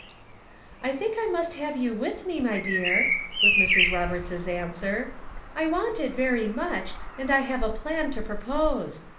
"I think I must have you with me, my dear," was Mrs. Roberts's answer. "I want it very much, and I have a plan to propose.